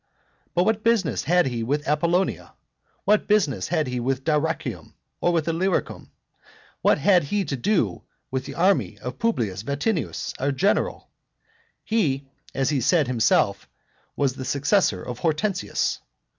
But what business had he with Apollonia? what business had he with Dyrrachium? or with Illyricum? What had he to do with the army of Publius Vatinius, our general? He, as he said himself, was the successor of Hortensius.